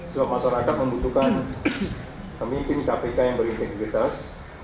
sebab masyarakat membutuhkan pemimpin kpk yang berintegritas